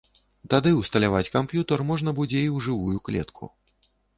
Тады ўсталяваць камп'ютар можна будзе і ў жывую клетку.